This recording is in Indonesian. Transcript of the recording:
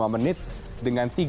dua puluh lima menit dengan tiga